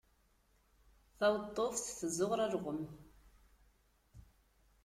Taweṭṭuft tezzuɣer alɣem.